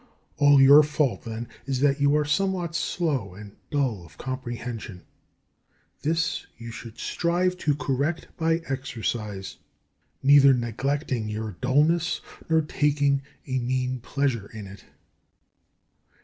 All your fault, then, is that you are somewhat slow and dull of comprehension. This you should strive to correct by exercise; neither neglecting your dulness nor taking a mean pleasure in it.